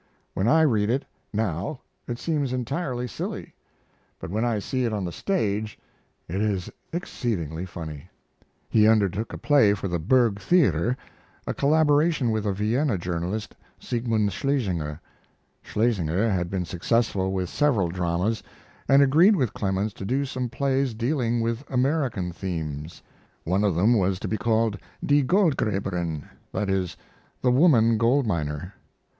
When I read it, now, it seems entirely silly; but when I see it on the stage it is exceedingly funny. He undertook a play for the Burg Theater, a collaboration with a Vienna journalist, Siegmund Schlesinger. Schlesinger had been successful with several dramas, and agreed with Clemens to do some plays dealing with American themes. One of them was to be called "Die Goldgraeberin," that is, "The Woman Gold Miner."